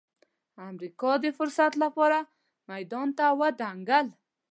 امریکا د فرصت لپاره میدان ته ودانګل.